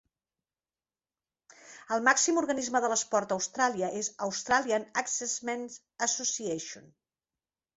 El màxim organisme de l'esport a Austràlia és Australian Axemen's Association.